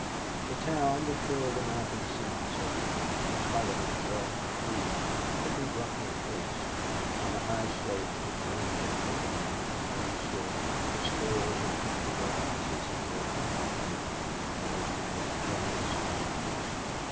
The town that filled the mounting semicircle, in spite of its wealth of trees, could be roughly traced. On the high slope which ran gently down from where he stood were scores of comfortable houses of well to do folk, all of them with generous lawns.